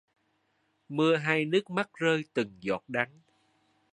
Mưa hay nước mắt rơi từng giọt đắng